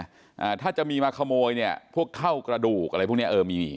อ่าถ้าจะมีมาขโมยเนี้ยพวกเท่ากระดูกอะไรพวกเนี้ยเออมีมี